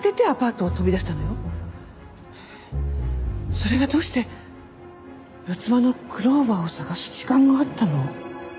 それがどうして四つ葉のクローバーを探す時間があったの？